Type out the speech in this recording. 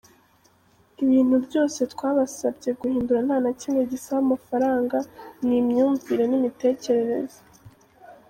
Ibintu byose twabasabye guhindura nta na kimwe gisaba amafaranga ni imyumvire, ni imitekerereze.